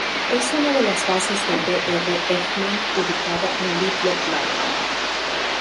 Es una de las bases del Dr. Eggman, ubicada en "Little Planet".